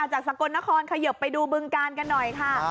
สกลนครเขยิบไปดูบึงกาลกันหน่อยค่ะ